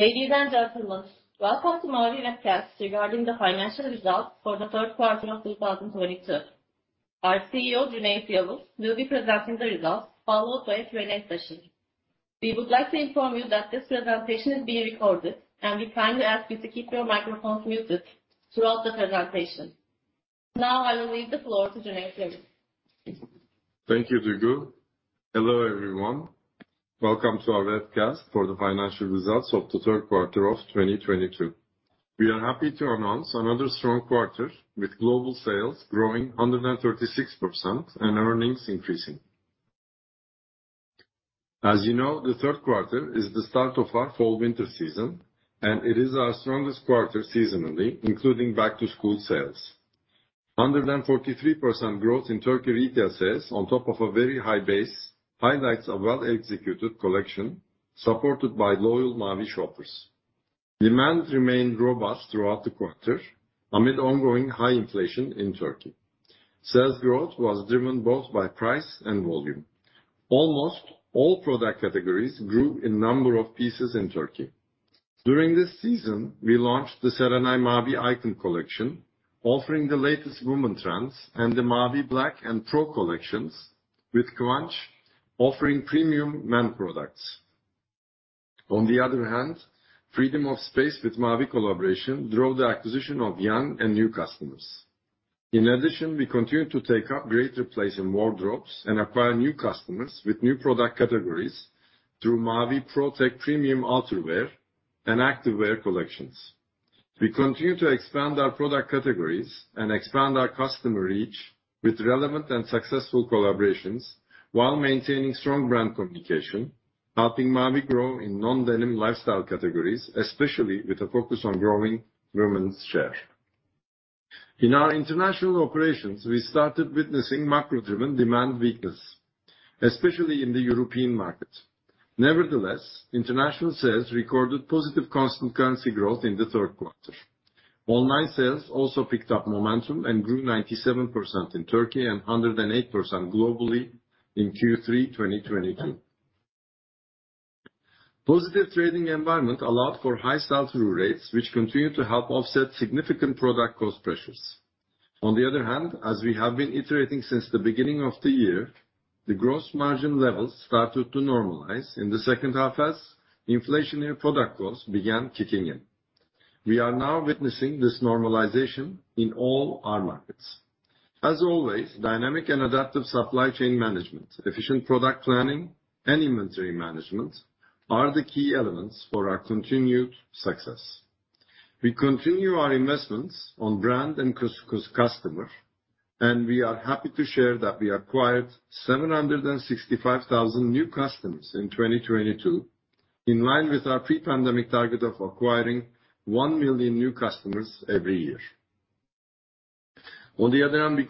Ladies and gentlemen, welcome to Mavi webcast regarding the financial results for the third quarter of 2022. Our CEO, Cüneyt Yavuz, will be presenting the results followed by a Q&A session. We would like to inform you that this presentation is being recorded, and we kindly ask you to keep your microphones muted throughout the presentation. Now, I will leave the floor to Cüneyt Yavuz. Thank you, Duygu. Hello, everyone. Welcome to our webcast for the financial results of the 3rd quarter of 2022. We are happy to announce another strong quarter with global sales growing 136% and earnings increasing. As you know, the third quarter is the start of our fall/winter season, and it is our strongest quarter seasonally, including back to school sales. 143% growth in Turkey retail sales on top of a very high base highlights a well-executed collection, supported by loyal Mavi shoppers. Demand remained robust throughout the quarter amid ongoing high inflation in Turkey. Sales growth was driven both by price and volume. Almost all product categories grew in number of pieces in Turkey. During this season, we launched the Serenay Mavi item collection, offering the latest women trends and the Mavi Black and Pro collections, with Kıvanç offering premium men products. On the other hand, Freedom of Space with Mavi collaboration drove the acquisition of young and new customers. In addition, we continue to take up greater place in wardrobes and acquire new customers with new product categories through Mavi Protech premium outerwear and activewear collections. We continue to expand our product categories and expand our customer reach with relevant and successful collaborations while maintaining strong brand communication, helping Mavi grow in non-denim lifestyle categories, especially with a focus on growing women's share. In our international operations, we started witnessing macro-driven demand weakness, especially in the European market. Nevertheless, international sales recorded positive constant currency growth in the third quarter. Online sales also picked up momentum and grew 97% in Turkey and 108% globally in Q3, 2022. Positive trading environment allowed for high sell-through rates, which continue to help offset significant product cost pressures. As we have been iterating since the beginning of the year, the gross margin levels started to normalize in the second half as inflationary product costs began kicking in. We are now witnessing this normalization in all our markets. As always, dynamic and adaptive supply chain management, efficient product planning and inventory management are the key elements for our continued success. We continue our investments on brand and customer, and we are happy to share that we acquired 765,000 new customers in 2022, in line with our pre-pandemic target of acquiring 1 million new customers every year. We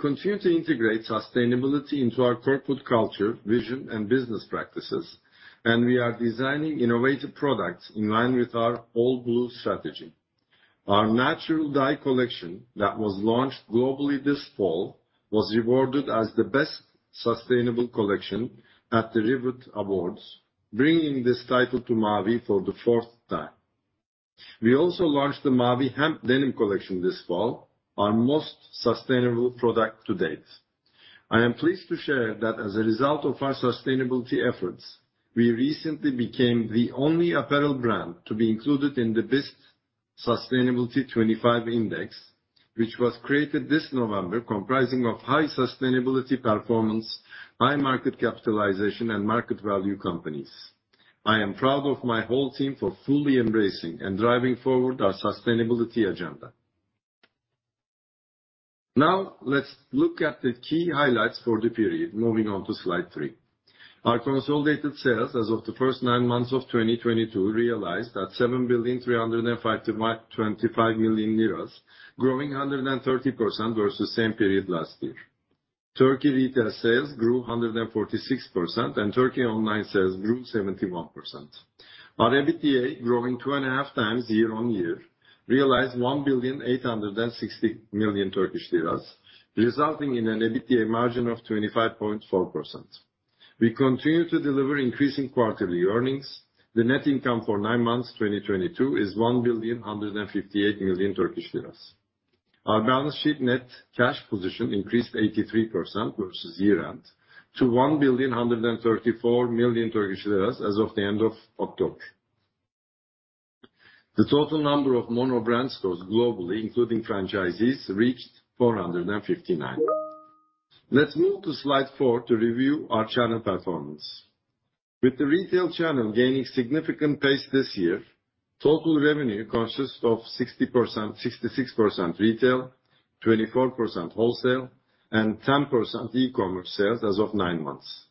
continue to integrate sustainability into our corporate culture, vision and business practices, and we are designing innovative products in line with our All Blue strategy. Our natural dye collection that was launched globally this fall was rewarded as the best sustainable collection at the Rivet Awards, bringing this title to Mavi for the fourth time. We also launched the Mavi Hemp Denim collection this fall, our most sustainable product to date. I am pleased to share that as a result of our sustainability efforts, we recently became the only apparel brand to be included in the BIST Sustainability 25 Index, which was created this November comprising of high sustainability performance, high market capitalization and market value companies. I am proud of my whole team for fully embracing and driving forward our sustainability agenda. Now, let's look at the key highlights for the period. Moving on to slide three. Our consolidated sales as of the first nine months of 2022 realized at 7 billion 325 million, growing 130% versus same period last year. Turkey retail sales grew 146%, Turkey online sales grew 71%. Our EBITDA, growing 2.5x year-on-year, realized TRY 1 billion 860 million, resulting in an EBITDA margin of 25.4%. We continue to deliver increasing quarterly earnings. The net income for nine months, 2022, is 1 billion Turkish lira 158 million. Our balance sheet net cash position increased 83% versus year-end to 1 billion Turkish lira 134 million as of the end of October. The total number of mono brand stores globally, including franchisees, reached 459. Let's move to slide four to review our channel performance. With the retail channel gaining significant pace this year, total revenue consists of 66% retail, 24% wholesale, and 10% e-commerce sales as of 9 months.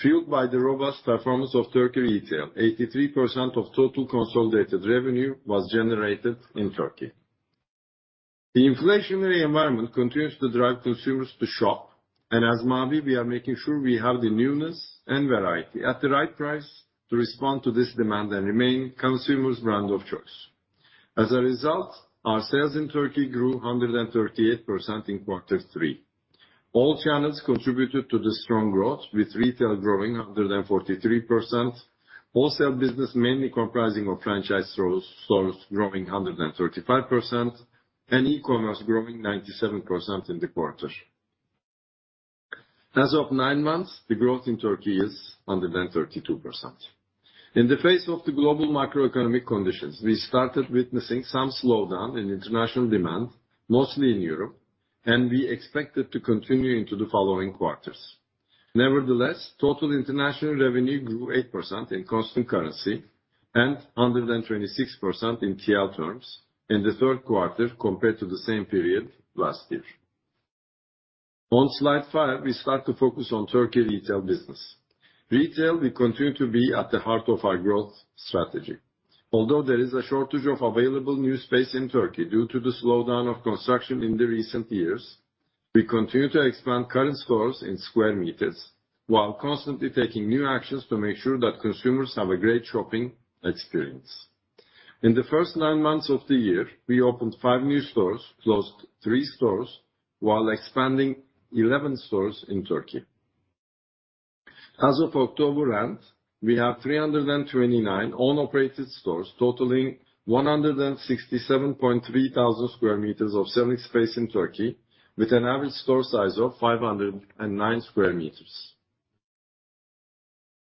Fueled by the robust performance of Turkey retail, 83% of total consolidated revenue was generated in Turkey. The inflationary environment continues to drive consumers to shop, and as Mavi, we are making sure we have the newness and variety at the right price to respond to this demand and remain consumers' brand of choice. As a result, our sales in Turkey grew 138% in quarter three. All channels contributed to the strong growth, with retail growing 143%. Wholesale business mainly comprising of franchise stores growing 135%, and e-commerce growing 97% in the quarter. As of 9 months, the growth in Turkey is 132%. In the face of the global macroeconomic conditions, we started witnessing some slowdown in international demand, mostly in Europe. We expect it to continue into the following quarters. Nevertheless, total international revenue grew 8% in constant currency and 126% in TL terms in the third quarter compared to the same period last year. On slide five, we start to focus on Turkey retail business. Retail will continue to be at the heart of our growth strategy. Although there is a shortage of available new space in Turkey due to the slowdown of construction in the recent years, we continue to expand current stores in square meters while constantly taking new actions to make sure that consumers have a great shopping experience. In the first nine months of the year, we opened five new stores, closed three stores while expanding 11 stores in Turkey. As of October end, we have 329 own operated stores, totaling 167.3 thousand sq m of selling space in Turkey, with an average store size of 509 sq m.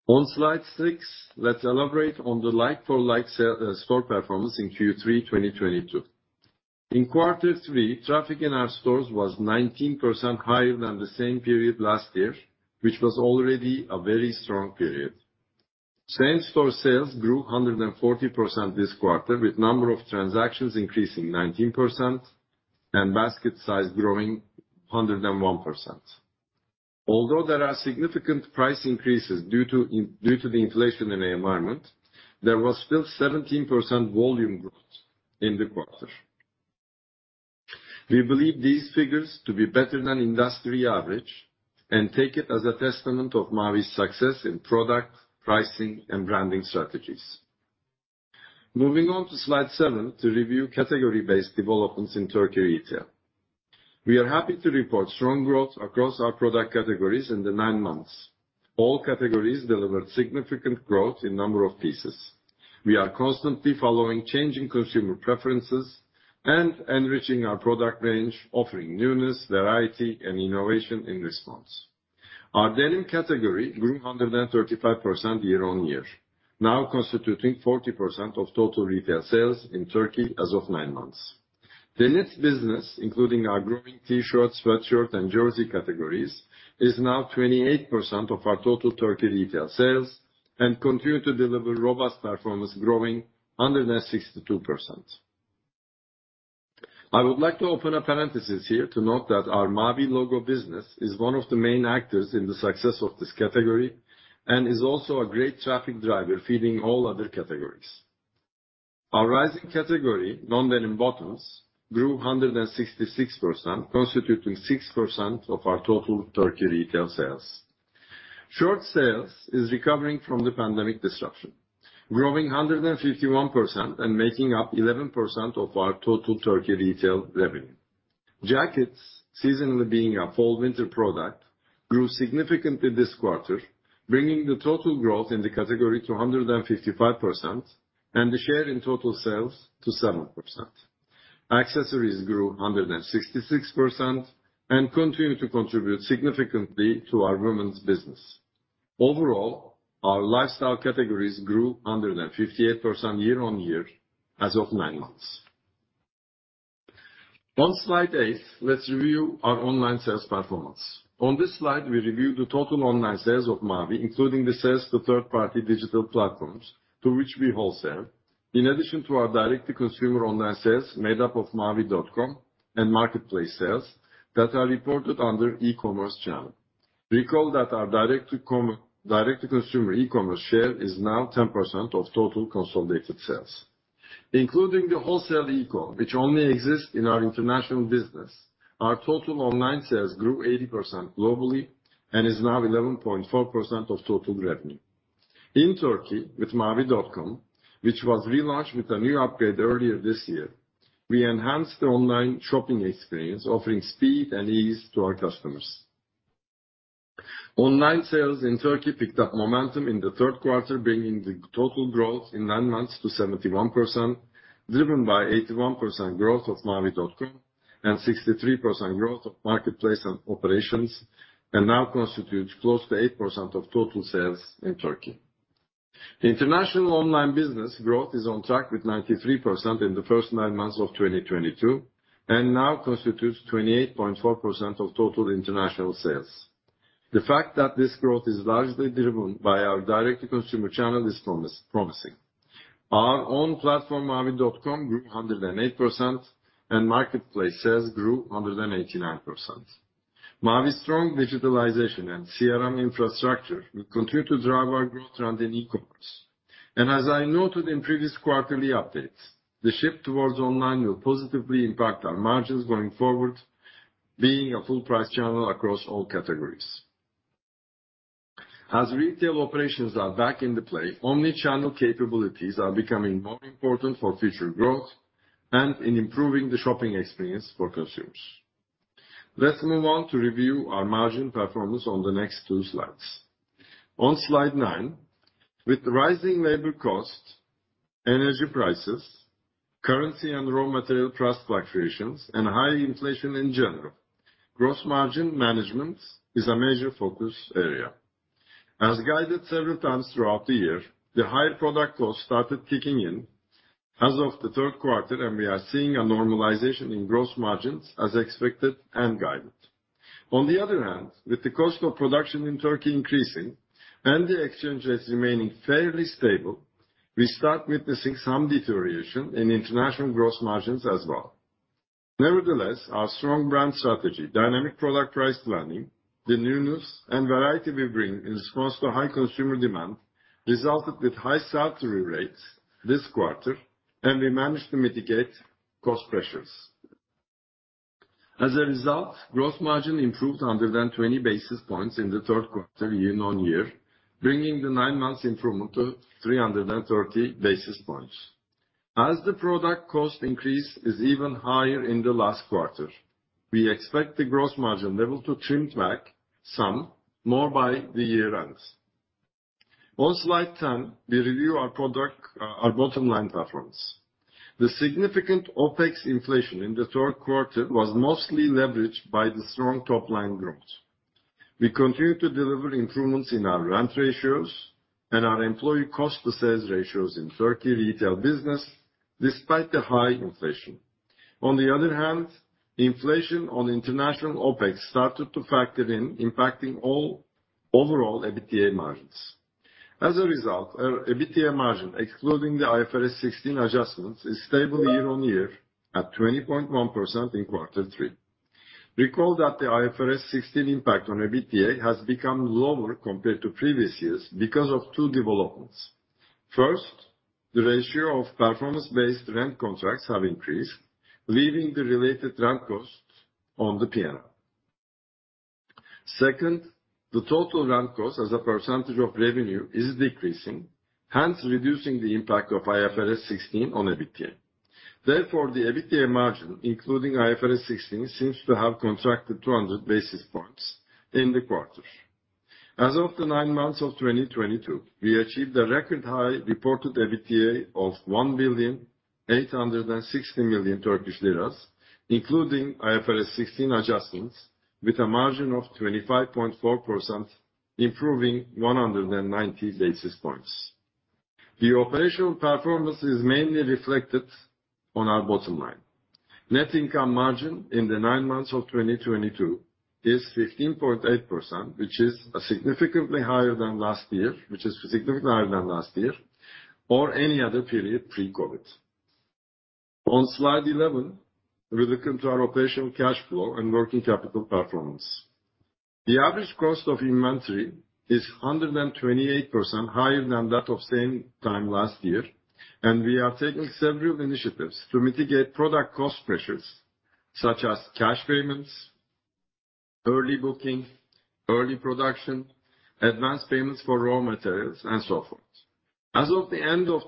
On slide six, let's elaborate on the like-for-like store performance in Q3 2022. In quarter three, traffic in our stores was 19% higher than the same period last year, which was already a very strong period. Same-store sales grew 140% this quarter, with number of transactions increasing 19% and basket size growing 101%. Although there are significant price increases due to the inflation in the environment, there was still 17% volume growth in the quarter. We believe these figures to be better than industry average and take it as a testament of Mavi's success in product, pricing, and branding strategies. Moving on to slide seven to review category-based developments in Turkey retail. We are happy to report strong growth across our product categories in the nine months. All categories delivered significant growth in number of pieces. We are constantly following changing consumer preferences and enriching our product range, offering newness, variety, and innovation in response. Our denim category grew 135% year-over-year, now constituting 40% of total retail sales in Turkey as of nine months. The knit business, including our growing T-shirts, sweatshirt, and jersey categories, is now 28% of our total Turkey retail sales and continue to deliver robust performance, growing 162%. I would like to open a parenthesis here to note that our Mavi logo business is one of the main actors in the success of this category and is also a great traffic driver feeding all other categories. Our rising category, non-denim bottoms, grew 166%, constituting 6% of our total Turkey retail sales. Shorts sales is recovering from the pandemic disruption, growing 151% and making up 11% of our total Turkey retail revenue. Jackets, seasonally being a fall/winter product, grew significantly this quarter, bringing the total growth in the category to 155% and the share in total sales to 7%. Accessories grew 166% and continue to contribute significantly to our women's business. Overall, our lifestyle categories grew 158% year on year as of nine months. On slide eight, let's review our online sales performance. On this slide, we review the total online sales of Mavi, including the sales to third-party digital platforms to which we wholesale. In addition to our direct-to-consumer online sales made up of mavi.com and marketplace sales that are reported under e-commerce channel. Recall that our direct-to-consumer e-commerce share is now 10% of total consolidated sales. Including the wholesale e-commerce, which only exists in our international business, our total online sales grew 80% globally and is now 11.4% of total revenue. In Turkey, with mavi.com, which was relaunched with a new upgrade earlier this year, we enhanced the online shopping experience, offering speed and ease to our customers. Online sales in Turkey picked up momentum in the third quarter, bringing the total growth in 9 months to 71%, driven by 81% growth of mavi.com and 63% growth of marketplace and operations, and now constitutes close to 8% of total sales in Turkey. The international online business growth is on track with 93% in the first 9 months of 2022 and now constitutes 28.4% of total international sales. The fact that this growth is largely driven by our direct-to-consumer channel is promising. Our own platform, mavi.com, grew 108%, and marketplace sales grew 189%. Mavi's strong digitalization and CRM infrastructure will continue to drive our growth trend in e-commerce. As I noted in previous quarterly updates, the shift towards online will positively impact our margins going forward, being a full price channel across all categories. As retail operations are back in the play, omni-channel capabilities are becoming more important for future growth and in improving the shopping experience for consumers. Let's move on to review our margin performance on the next two slides. On slide nine, with rising labor costs, energy prices, currency and raw material price fluctuations, and high inflation in general, gross margin management is a major focus area. As guided several times throughout the year, the higher product costs started kicking in as of the third quarter, and we are seeing a normalization in gross margins as expected and guided. With the cost of production in Turkey increasing and the exchange rates remaining fairly stable, we start witnessing some deterioration in international gross margins as well. Our strong brand strategy, dynamic product price planning, the newness and variety we bring in response to high consumer demand resulted with high sell-through rates this quarter, and we managed to mitigate cost pressures. Gross margin improved under 20 basis points in the third quarter year-on-year, bringing the 9 months improvement to 330 basis points. The product cost increase is even higher in the last quarter, we expect the gross margin level to trim back some more by the year end. On slide 10, we review our bottom line performance. The significant OpEx inflation in the third quarter was mostly leveraged by the strong top-line growth. We continue to deliver improvements in our rent ratios and our employee cost to sales ratios in Turkey retail business despite the high inflation. Inflation on international OpEx started to factor in impacting all overall EBITDA margins. Our EBITDA margin, excluding the IFRS 16 adjustments, is stable year-on-year at 20.1% in quarter three. Recall that the IFRS 16 impact on EBITDA has become lower compared to previous years because of two developments. First, the ratio of performance-based rent contracts have increased, leaving the related rent costs on the P&L. Second, the total rent cost as a percentage of revenue is decreasing, hence reducing the impact of IFRS 16 on EBITDA. The EBITDA margin, including IFRS 16, seems to have contracted 200 basis points in the quarter. As of the nine months of 2022, we achieved a record high reported EBITDA of 1,860 million Turkish lira, including IFRS 16 adjustments, with a margin of 25.4%, improving 190 basis points. The operational performance is mainly reflected on our bottom line. Net income margin in the nine months of 2022 is 15.8%, which is significantly higher than last year, or any other period pre-COVID. On slide 11, we look into our operational cash flow and working capital performance. The average cost of inventory is 128% higher than that of same time last year. We are taking several initiatives to mitigate product cost pressures, such as cash payments, early booking, early production, advanced payments for raw materials and so forth. As of the end of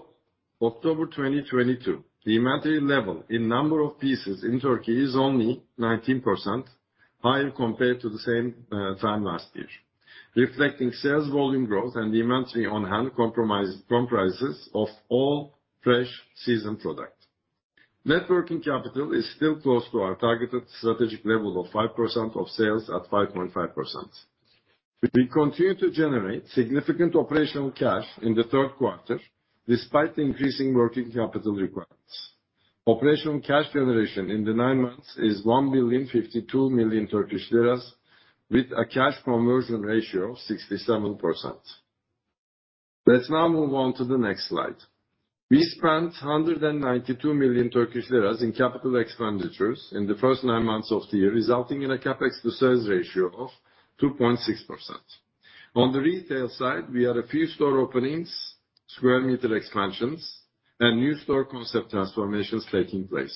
October 2022, the inventory level in number of pieces in Turkey is only 19% higher compared to the same time last year, reflecting sales volume growth and the inventory on hand comprises of all fresh season product. Net working capital is still close to our targeted strategic level of 5% of sales at 5.5%. We continue to generate significant operational cash in the third quarter despite the increasing working capital requirements. Operational cash generation in the nine months is 1,052 million Turkish lira with a cash conversion ratio of 67%. Let's now move on to the next slide. We spent 192 million Turkish lira in capital expenditures in the first nine months of the year, resulting in a CapEx to sales ratio of 2.6%. On the retail side, we had a few store openings, square meter expansions and new store concept transformations taking place.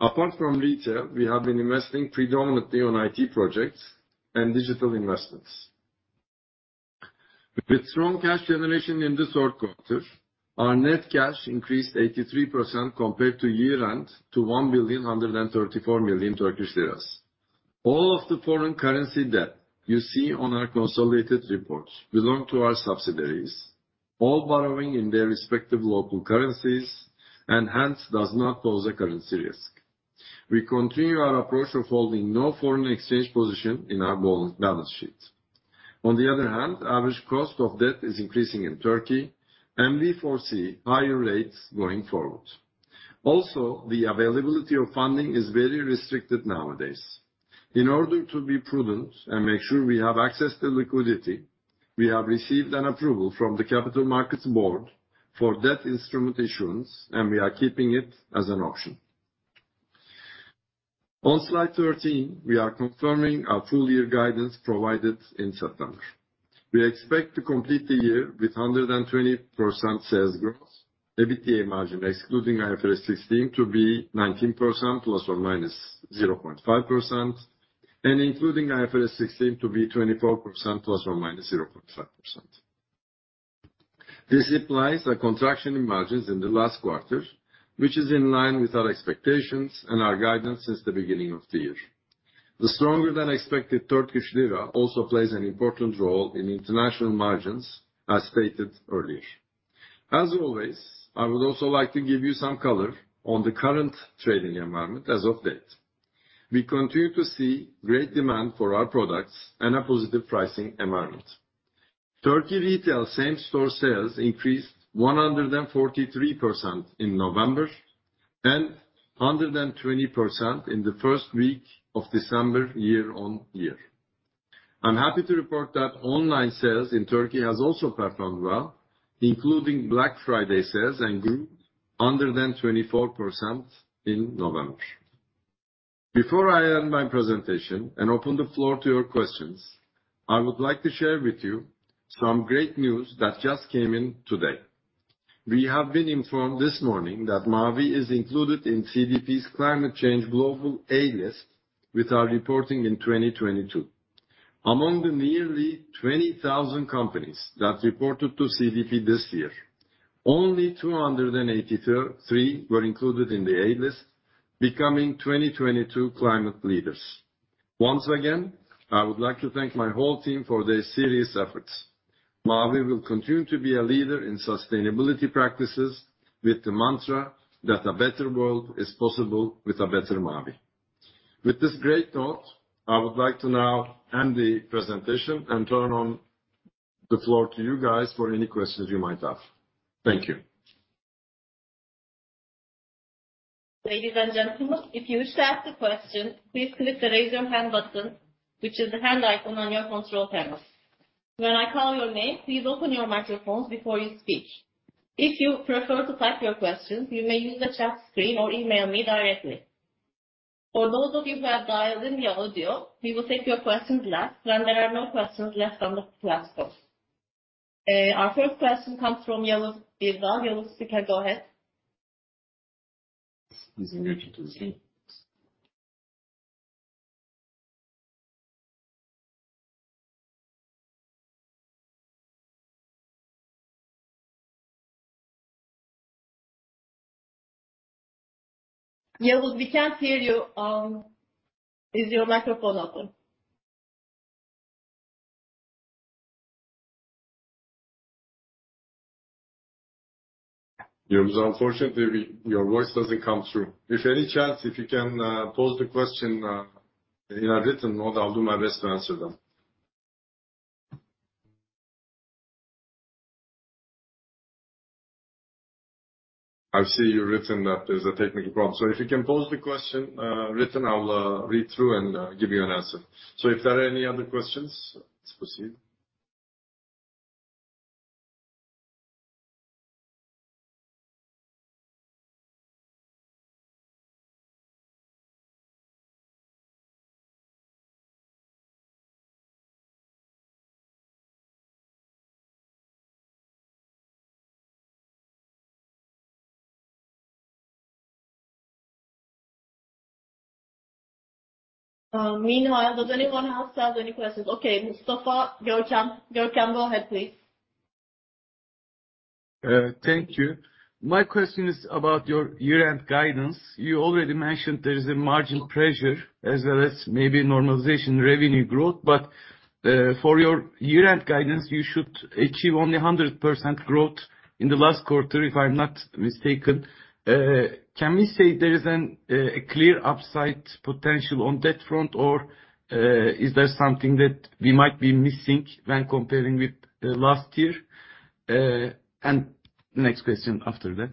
Apart from retail, we have been investing predominantly on IT projects and digital investments. With strong cash generation in this third quarter, our net cash increased 83% compared to year end to 1,134 million Turkish lira. All of the foreign currency debt you see on our consolidated report belong to our subsidiaries, all borrowing in their respective local currencies and hence does not pose a currency risk. We continue our approach of holding no foreign exchange position in our balance sheet. Average cost of debt is increasing in Turkey and we foresee higher rates going forward. The availability of funding is very restricted nowadays. In order to be prudent and make sure we have access to liquidity, we have received an approval from the Capital Markets Board for debt instrument issuance, and we are keeping it as an option. On slide 13, we are confirming our full year guidance provided in September. We expect to complete the year with 120% sales growth. EBITDA margin excluding IFRS 16 to be 19% ± 0.5%, and including IFRS 16 to be 24% ± 0.5%. This implies a contraction in margins in the last quarter, which is in line with our expectations and our guidance since the beginning of the year. The stronger than expected Turkish lira also plays an important role in international margins, as stated earlier. As always, I would also like to give you some color on the current trading environment as of date. We continue to see great demand for our products and a positive pricing environment. Turkey retail same-store sales increased 143% in November, and 120% in the first week of December year-over-year. I'm happy to report that online sales in Turkey has also performed well, including Black Friday sales and grew under than 24% in November. Before I end my presentation and open the floor to your questions, I would like to share with you some great news that just came in today. We have been informed this morning that Mavi is included in CDP's Climate Change Global A List with our reporting in 2022. Among the nearly 20,000 companies that reported to CDP this year, only 283 were included in the A List, becoming 2022 climate leaders. Once again, I would like to thank my whole team for their serious efforts. Mavi will continue to be a leader in sustainability practices with the mantra that a better world is possible with a better Mavi. With this great note, I would like to now end the presentation and turn on the floor to you guys for any questions you might have. Thank you. Ladies and gentlemen, if you wish to ask a question, please click the Raise Your Hand button, which is the hand icon on your control panel. When I call your name, please open your microphones before you speak. If you prefer to type your questions, you may use the chat screen or email me directly. For those of you who have dialed in via audio, we will take your questions last when there are no questions left on the platforms. Our first question comes from Yavuz Birdal. Yavuz, you can go ahead. Is he muted or something? Yavuz, we can't hear you. Is your microphone open? Yavuz, unfortunately, your voice doesn't come through. If any chance, if you can pose the question in a written note, I'll do my best to answer them. I see you've written that there's a technical problem. If you can pose the question written, I'll read through and give you an answer. If there are any other questions, let's proceed. Meanwhile, does anyone else have any questions? Okay, Safa Gökhan. Gökhan, go ahead, please. Thank you. My question is about your year-end guidance. You already mentioned there is a margin pressure as well as maybe normalization revenue growth. For your year-end guidance, you should achieve only 100% growth in the last quarter, if I'm not mistaken. Can we say there is a clear upside potential on that front? Or, is there something that we might be missing when comparing with the last year? Next question after that.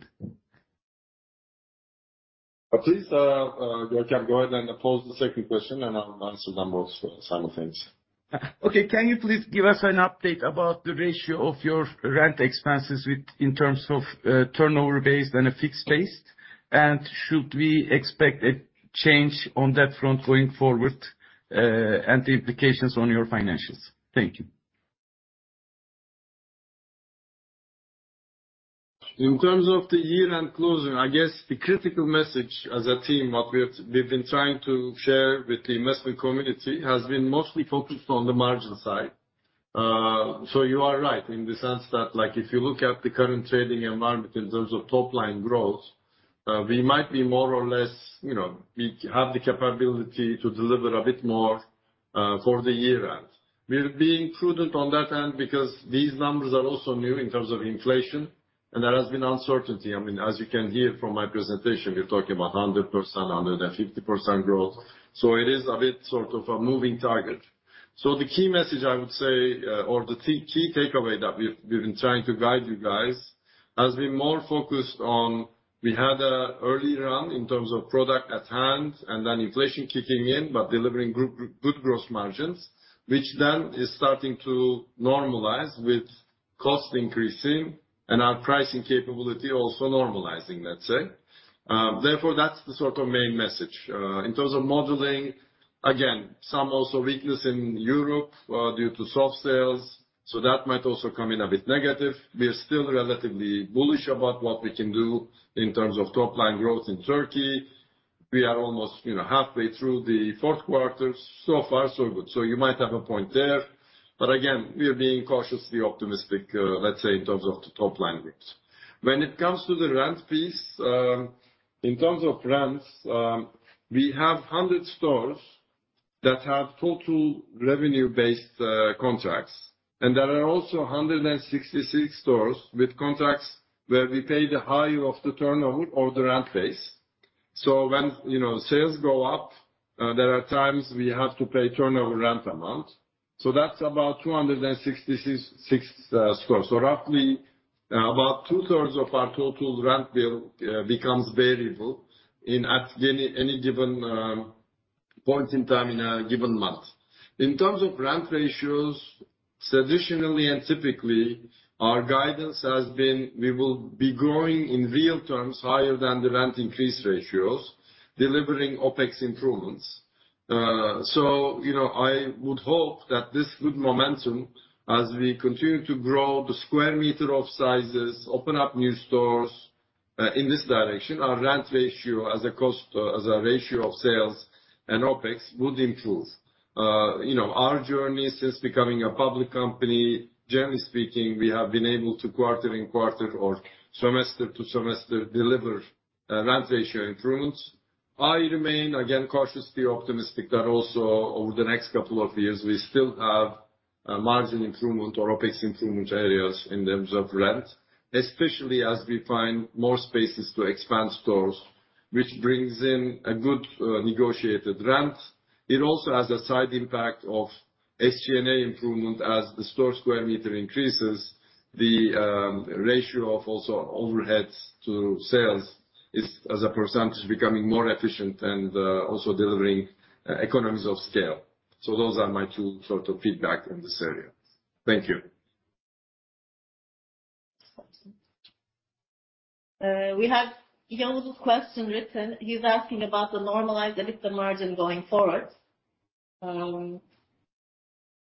Please, Gökhan, go ahead and pose the second question, and I'll answer them both simultaneously. Okay. Can you please give us an update about the ratio of your rent expenses in terms of turnover-based and a fixed-based? Should we expect a change on that front going forward and the implications on your financials? Thank you. In terms of the year-end closing, I guess the critical message as a team, what we have, we've been trying to share with the investment community, has been mostly focused on the margin side. You are right in the sense that, like, if you look at the current trading environment in terms of top-line growth, we might be more or less, you know, we have the capability to deliver a bit more for the year-end. We're being prudent on that end because these numbers are also new in terms of inflation, and there has been uncertainty. I mean, as you can hear from my presentation, we're talking about 100%, 150% growth. It is a bit sort of a moving target. The key message I would say, or the key takeaway that we've been trying to guide you guys has been more focused on we had an early run in terms of product at hand and then inflation kicking in, but delivering good gross margins, which then is starting to normalize with cost increasing and our pricing capability also normalizing, let's say. Therefore, that's the sort of main message. In terms of modeling, again, some also weakness in Europe due to soft sales, that might also come in a bit negative. We are still relatively bullish about what we can do in terms of top line growth in Turkey. We are almost, you know, halfway through the fourth quarter. So far so good. You might have a point there. Again, we are being cautiously optimistic, let's say in terms of the top line growth. When it comes to the rent piece, in terms of rents, we have 100 stores that have total revenue-based contracts. There are also 166 stores with contracts where we pay the higher of the turnover or the rent base. When, you know, sales go up, there are times we have to pay turnover rent amount. That's about 266 stores. Roughly, about 2/3 of our total rent bill becomes variable in at any given point in time in a given month. In terms of rent ratios, traditionally and typically, our guidance has been we will be growing in real terms higher than the rent increase ratios, delivering OpEx improvements. You know, I would hope that this good momentum, as we continue to grow the square meter of sizes, open up new stores, in this direction, our rent ratio as a ratio of sales and OpEx would improve. You know, our journey since becoming a public company, generally speaking, we have been able to quarter and quarter or semester to semester deliver rent ratio improvements. I remain, again, cautiously optimistic that also over the next couple of years, we still have, margin improvement or OpEx improvement areas in terms of rent, especially as we find more spaces to expand stores, which brings in a good, negotiated rent. It also has a side impact of SG&A improvement. As the store square meter increases, the ratio of also overheads to sales is, as a percentage, becoming more efficient and also delivering economies of scale. Those are my two sort of feedback in this area. Thank you. We have Yavuz's question written. He's asking about the normalized EBITDA margin going forward.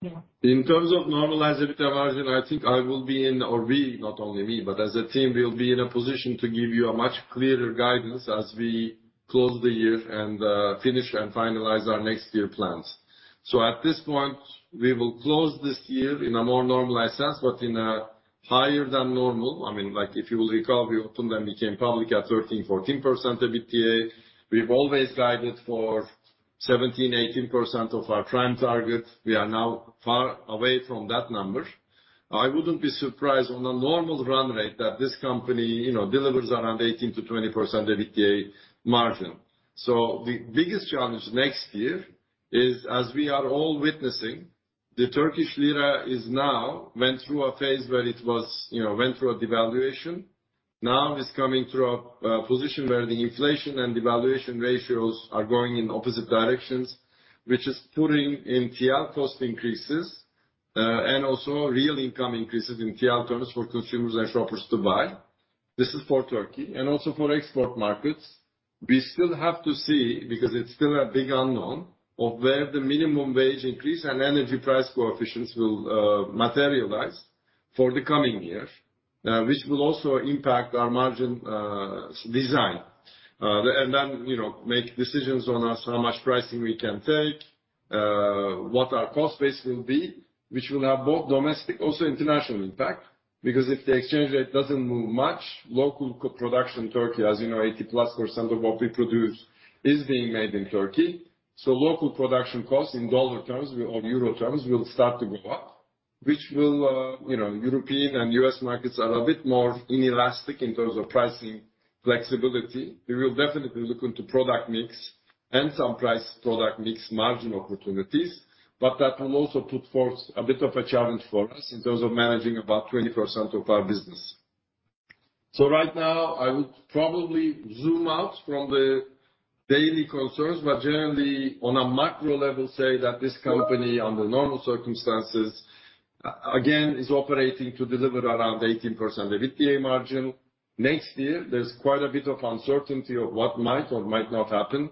Yeah. In terms of normalized EBITDA margin, I think I will be in or we, not only me, but as a team, we'll be in a position to give you a much clearer guidance as we close the year and finish and finalize our next year plans. At this point, we will close this year in a more normalized sense, but in a higher than normal. I mean, like, if you will recall, we opened and became public at 13%-14% EBITDA. We've always guided for 17%-18% of our prime target. We are now far away from that number. I wouldn't be surprised on a normal run rate that this company, you know, delivers around 18%-20% EBITDA margin. The biggest challenge next year is, as we are all witnessing, the Turkish lira is now went through a phase where it was, you know, went through a devaluation. Now it's coming through a position where the inflation and devaluation ratios are going in opposite directions, which is putting in TL cost increases, and also real income increases in TL terms for consumers and shoppers to buy. This is for Turkey and also for export markets. We still have to see, because it's still a big unknown, of where the minimum wage increase and energy price coefficients will materialize for the coming year, which will also impact our margin design. Then, you know, make decisions on as how much pricing we can take, what our cost base will be, which will have both domestic, also international impact, because if the exchange rate doesn't move much, local co-production Turkey, as you know, 80%+ of what we produce is being made in Turkey. Local production costs in dollar terms or euro terms will start to go up, which will, you know, European and U.S. markets are a bit more inelastic in terms of pricing flexibility. We will definitely look into product mix and some price product mix margin opportunities. That will also put forth a bit of a challenge for us in terms of managing about 20% of our business. Right now, I would probably zoom out from the daily concerns, but generally, on a macro level, say that this company, under normal circumstances, again, is operating to deliver around 18% EBITDA margin. Next year, there's quite a bit of uncertainty of what might or might not happen.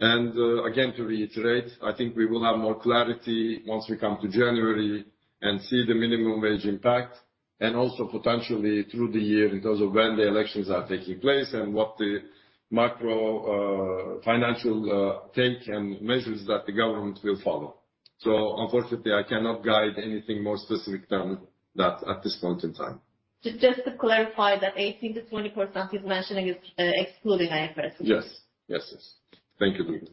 Again, to reiterate, I think we will have more clarity once we come to January and see the minimum wage impact and also potentially through the year in terms of when the elections are taking place and what the macro financial take and measures that the government will follow. Unfortunately, I cannot guide anything more specific than that at this point in time. Just to clarify, that 18%-20% he's mentioning is excluding IFRS. Yes. Yes, yes. Thank you, Duygu.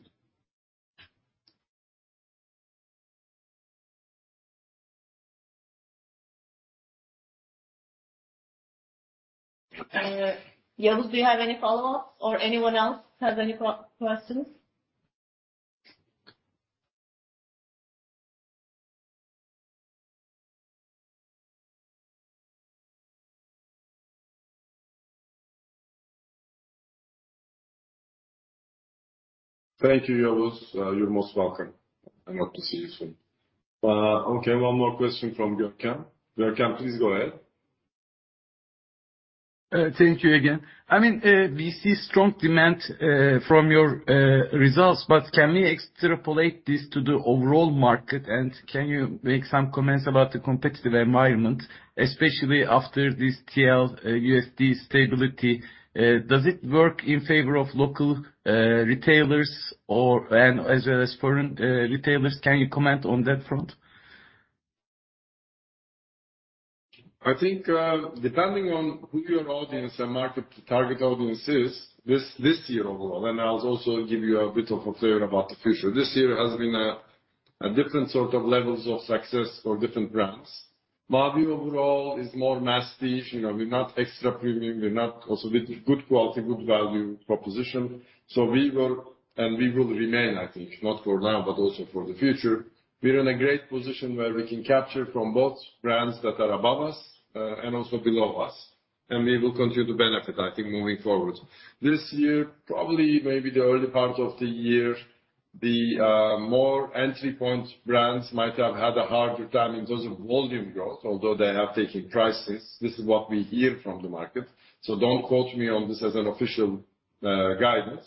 Yavuz, do you have any follow-ups or anyone else has any questions? Thank you, Yavuz. You're most welcome, and hope to see you soon. Okay, one more question from Gökhan. Gökhan, please go ahead. Thank you again. I mean, we see strong demand from your results, can we extrapolate this to the overall market? Can you make some comments about the competitive environment, especially after this TL, USD stability? Does it work in favor of local retailers or... and as well as foreign retailers? Can you comment on that front? I think, depending on who your audience and market target audience is, this year overall, and I'll also give you a bit of a flavor about the future. This year has been different sort of levels of success for different brands. Mavi overall is more mass niche. You know, we're not extra premium. We're not also with good quality, good value proposition. We were, and we will remain, I think, not for now, but also for the future. We're in a great position where we can capture from both brands that are above us, and also below us, and we will continue to benefit, I think, moving forward. This year, probably maybe the early part of the year, the more entry point brands might have had a harder time in terms of volume growth, although they are taking prices. This is what we hear from the market, don't quote me on this as an official guidance.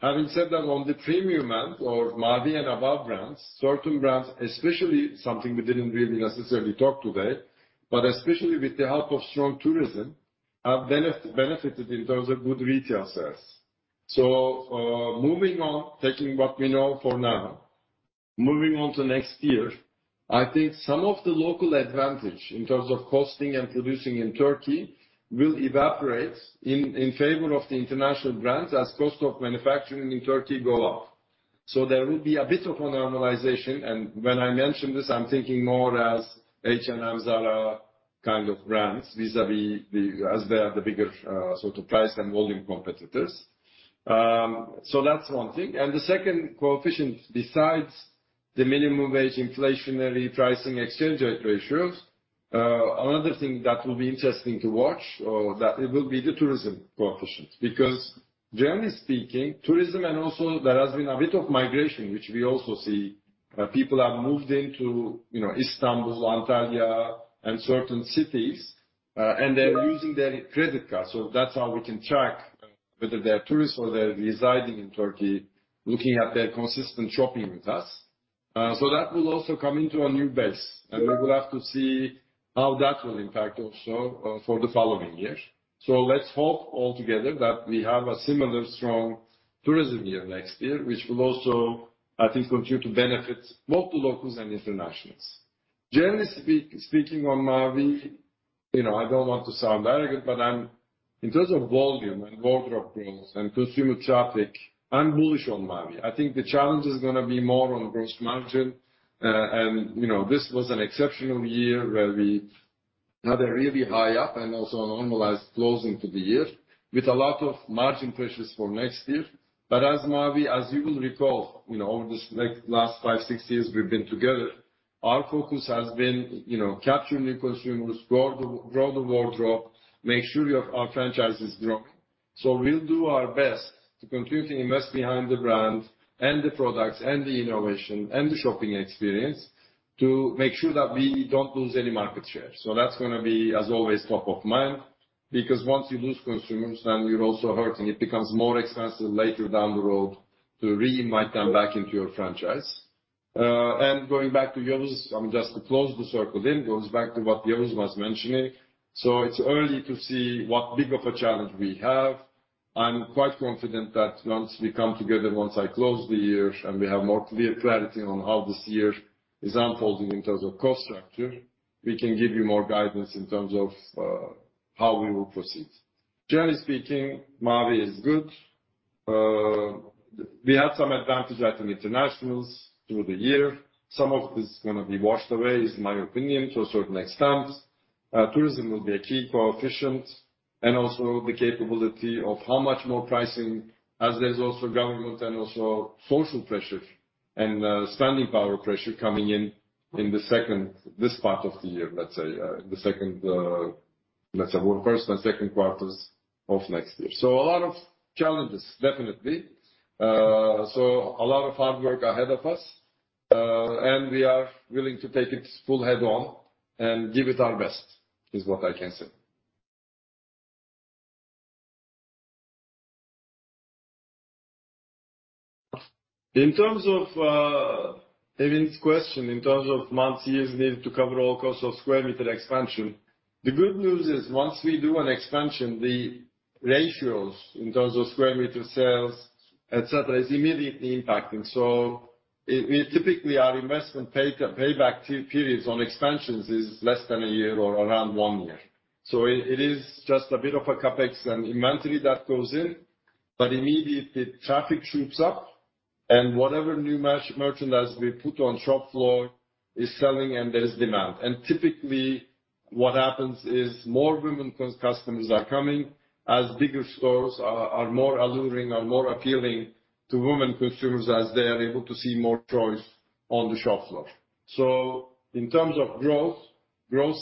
Having said that, on the premium end or Mavi and above brands, certain brands, especially something we didn't really necessarily talk today, but especially with the help of strong tourism, have benefited in terms of good retail sales. Moving on, taking what we know for now, moving on to next year, I think some of the local advantage in terms of costing and producing in Turkey will evaporate in favor of the international brands as cost of manufacturing in Turkey go up. There will be a bit of a normalization, and when I mention this, I'm thinking more as H&M, Zara kind of brands, vis-a-vis the... as they are the bigger, sort of price and volume competitors. That's one thing. The second coefficient, besides the minimum wage, inflationary pricing, exchange rate ratios, another thing that will be interesting to watch or that it will be the tourism coefficient. Generally speaking, tourism and also there has been a bit of migration, which we also see. People have moved into, you know, Istanbul, Antalya and certain cities, and they're using their credit card. That's how we can track whether they're tourists or they're residing in Turkey, looking at their consistent shopping with us. That will also come into a new base, and we will have to see how that will impact also for the following years. Let's hope all together that we have a similar strong tourism year next year, which will also, I think, continue to benefit both the locals and internationals. Generally speaking on Mavi, you know, I don't want to sound arrogant, but I'm. In terms of volume and wardrobe growth and consumer traffic, I'm bullish on Mavi. I think the challenge is gonna be more on gross margin. You know, this was an exceptional year where we had a really high up and also a normalized closing to the year with a lot of margin pressures for next year. As Mavi, as you will recall, you know, over this like last five, six years we've been together, our focus has been, you know, capture new consumers, grow the wardrobe, make sure our franchise is growing. We'll do our best to continue to invest behind the brand and the products and the innovation and the shopping experience to make sure that we don't lose any market share. That's gonna be, as always, top of mind, because once you lose consumers, then you're also hurting. It becomes more expensive later down the road to re-invite them back into your franchise. Going back to Yavuz, just to close the circle then goes back to what Yavuz was mentioning. It's early to see what big of a challenge we have. I'm quite confident that once we come together, once I close the year and we have more clear clarity on how this year is unfolding in terms of cost structure, we can give you more guidance in terms of how we will proceed. Generally speaking, Mavi is good. We have some advantage at the internationals through the year. Some of this is gonna be washed away is my opinion to a certain extent. Tourism will be a key coefficient and also the capability of how much more pricing as there's also government and also social pressure and spending power pressure coming in the second, this part of the year, let's say, the second, let's say first and second quarters of next year. A lot of challenges, definitely. A lot of hard work ahead of us, and we are willing to take it full head on and give it our best, is what I can say. In terms of Yavuz's question, in terms of months years needed to cover all costs of square meter expansion, the good news is once we do an expansion, the ratios in terms of square meter sales, et cetera, is immediately impacting. In typically our investment pay back periods on expansions is less than a year or around one year. It is just a bit of a CapEx and inventory that goes in, but immediately traffic shoots up and whatever new merchandise we put on shop floor is selling and there is demand. Typically what happens is more women customers are coming as bigger stores are more alluring and more appealing to women consumers as they are able to see more choice on the shop floor. In terms of Growth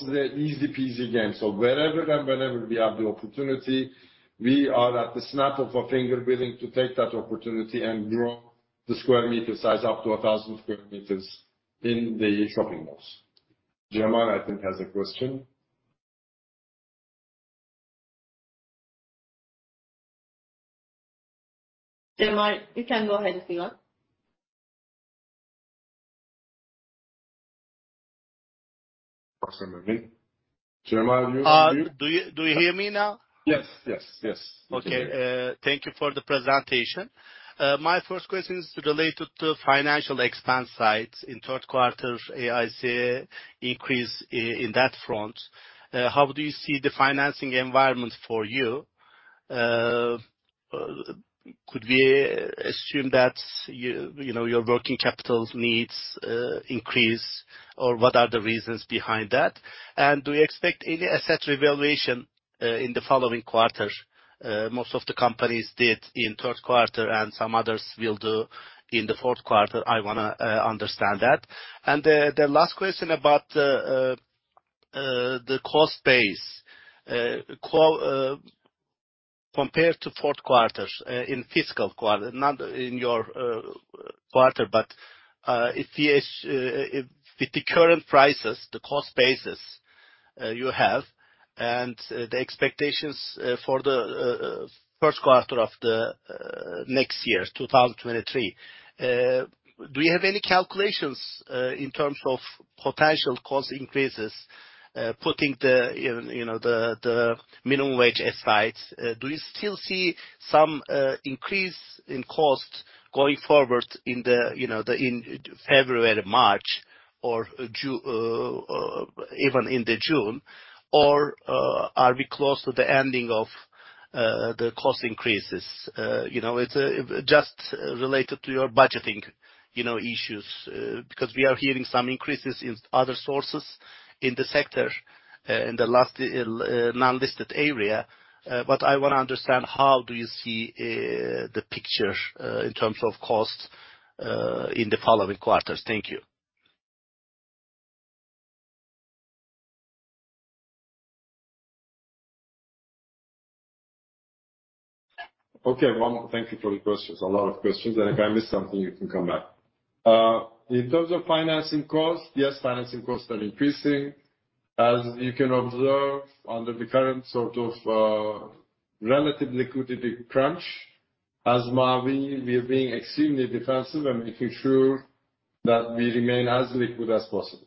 is an easy-peasy game. Wherever and whenever we have the opportunity, we are at the snap of a finger willing to take that opportunity and grow the square meter size up to 1,000 square meters in the shopping malls. Jamal, I think, has a question. Jamal, you can go ahead and speak up. Awesome. Jamal, can you hear me? Do you hear me now? Yes. Yes. Yes. Okay. Thank you for the presentation. My first question is related to financial expense side. In third quarter, AIC increase in that front. How do you see the financing environment for you? Could we assume that you know, your working capital needs increase, or what are the reasons behind that? Do you expect any asset revaluation in the following quarters? Most of the companies did in third quarter, and some others will do in the fourth quarter. I wanna understand that. The last question about the cost base. compared to fourth quarters in fiscal quarter, not in your quarter, but if with the current prices, the cost bases you have, and the expectations for the first quarter of the next year, 2023, do you have any calculations in terms of potential cost increases, putting the, you know, the minimum wage aside, do you still see some increase in cost going forward in the, you know, the in February, March or even in the June, or are we close to the ending of the cost increases? you know, it's just related to your budgeting, you know, issues. because we are hearing some increases in other sources in the sector in the last non-listed area. I wanna understand how do you see the picture in terms of costs in the following quarters. Thank you. Okay. Well, thank you for the questions. A lot of questions. If I miss something, you can come back. In terms of financing costs, yes, financing costs are increasing. As you can observe, under the current sort of, relative liquidity crunch, as Mavi, we are being extremely defensive and making sure that we remain as liquid as possible,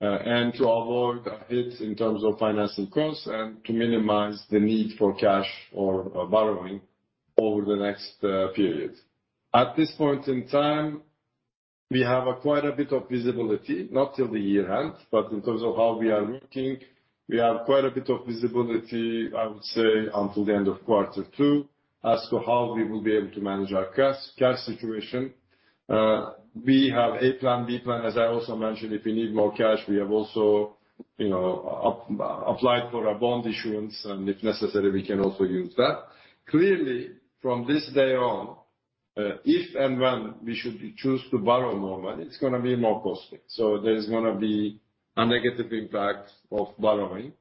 and to avoid hits in terms of financing costs and to minimize the need for cash or borrowing over the next period. At this point in time, we have quite a bit of visibility, not till the year end, but in terms of how we are looking, we have quite a bit of visibility, I would say, until the end of quarter two as to how we will be able to manage our cash situation. We have A plan, B plan. As I also mentioned, if we need more cash, we have also, you know, applied for a bond issuance. If necessary, we can also use that. Clearly, from this day on, if and when we should choose to borrow more money, it's gonna be more costly. There's gonna be a negative impact of borrowing.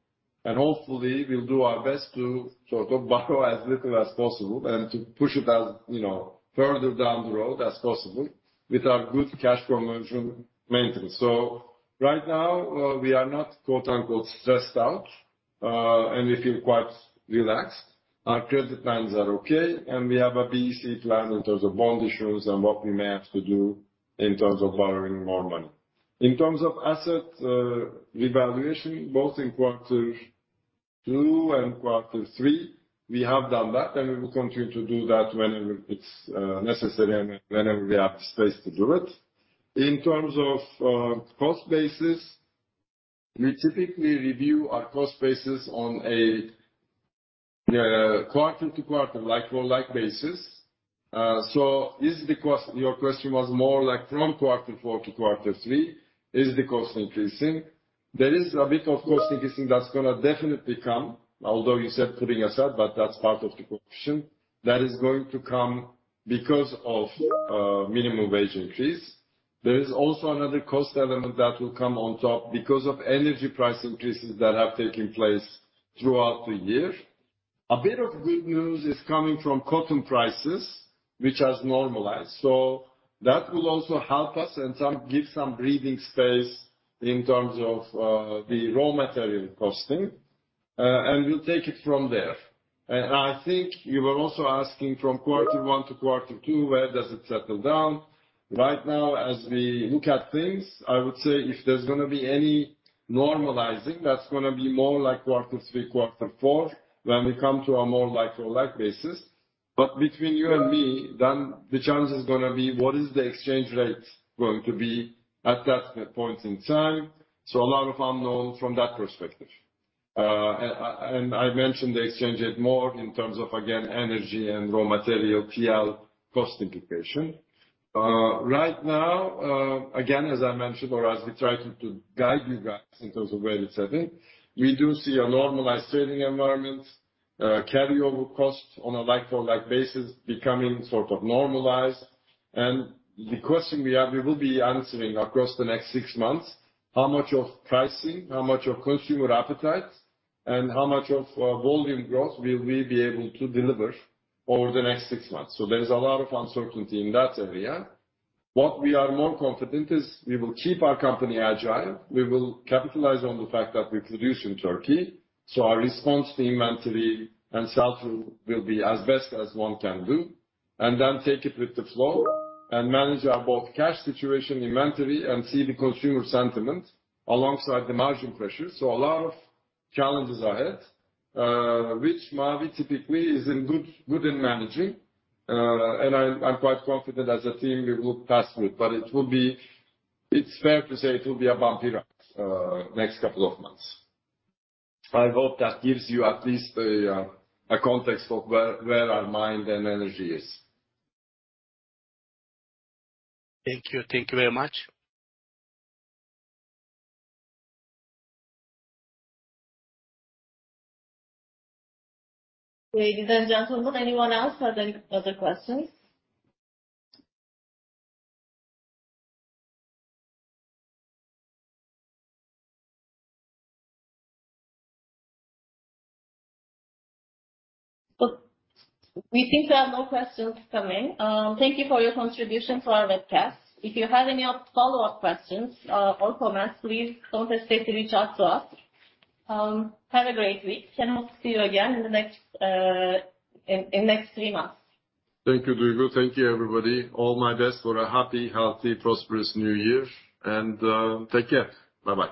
Hopefully we'll do our best to sort of borrow as little as possible and to push it as, you know, further down the road as possible with our good cash flow management maintenance. Right now, we are not, quote-unquote, stressed out, and we feel quite relaxed. Our credit lines are okay, and we have a B-C plan in terms of bond issuance and what we may have to do in terms of borrowing more money. In terms of asset revaluation, both in quarter two and quarter three, we have done that, and we will continue to do that whenever it's necessary and whenever we have the space to do it. In terms of cost bases, we typically review our cost bases on a quarter to quarter like for like basis. Your question was more like from quarter four to quarter three, is the cost increasing? There is a bit of cost increasing that's gonna definitely come, although you said putting aside, but that's part of the question. That is going to come because of minimum wage increase. There is also another cost element that will come on top because of energy price increases that have taken place throughout the year. A bit of good news is coming from cotton prices, which has normalized. That will also help us and give some breathing space in terms of the raw material costing, and we'll take it from there. I think you were also asking from quarter one to quarter two, where does it settle down? Right now, as we look at things, I would say if there's gonna be any normalizing, that's gonna be more like quarter three, quarter four when we come to a more like for like basis. Between you and me, then the challenge is gonna be what is the exchange rate going to be at that point in time? A lot of unknown from that perspective. I mentioned the exchange rate more in terms of, again, energy and raw material P&L cost implication. Right now, again, as I mentioned, or as we try to guide you guys in terms of where it's heading, we do see a normalized trading environment, carryover cost on a like for like basis becoming sort of normalized. The question we will be answering across the next six months, how much of pricing, how much of consumer appetite, and how much of volume growth will we be able to deliver over the next six months? There's a lot of uncertainty in that area. What we are more confident is we will keep our company agile. We will capitalize on the fact that we produce in Turkey, so our response to inventory and sell-through will be as best as one can do. Take it with the flow and manage our both cash situation, inventory, and see the consumer sentiment alongside the margin pressure. A lot of challenges ahead, which Mavi typically is in good in managing. I'm quite confident as a team we will pass through, but it's fair to say it will be a bumpy ride next couple of months. I hope that gives you at least a context of where our mind and energy is. Thank you. Thank you very much. Ladies and gentlemen, anyone else have any other questions? We seem to have no questions coming. Thank you for your contribution to our webcast. If you have any follow-up questions or comments, please don't hesitate to reach out to us. Have a great week. Hope to see you again in the next, in next three months. Thank you, Duygu. Thank you, everybody. All my best for a happy, healthy, prosperous New Year. Take care. Bye-bye.